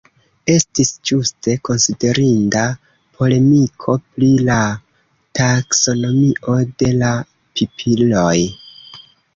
Estis ĵuse konsiderinda polemiko pri la taksonomio de la pipiloj.